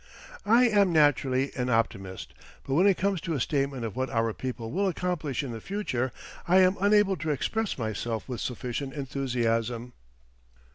I am naturally an optimist, and when it comes to a statement of what our people will accomplish in the future, I am unable to express myself with sufficient enthusiasm.